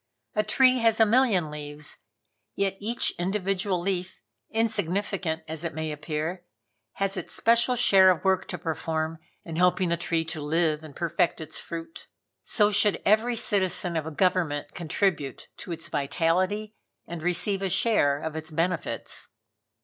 A tree has a million leaves, yet each individual leaf, insignificant as it may appear, has its special share of work to perform in helping the tree to live and perfect its fruit. So should every citizen of a government contribute to its vitality and receive a share of its benefits.